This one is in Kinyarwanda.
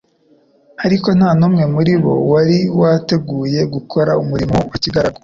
Ariko nta numwe muri bo wari witeguye gukora umurimo wa kigaragu.